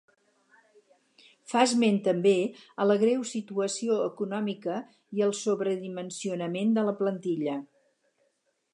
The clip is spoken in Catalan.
Fa esment també a la greu situació econòmica i al sobredimensionament de la plantilla.